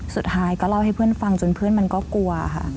สุดท้ายก็เล่าให้เพื่อนฟังจนเพื่อนมันก็กลัวค่ะ